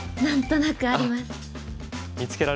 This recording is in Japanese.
何となくあります。